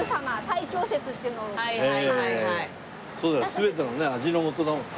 全てのね味のもとだもんな。